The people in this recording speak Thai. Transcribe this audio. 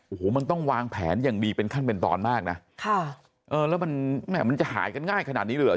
โอ้โหมันต้องวางแผนอย่างดีเป็นขั้นเป็นตอนมากนะค่ะเออแล้วมันแม่มันจะหายกันง่ายขนาดนี้เลยเหรอ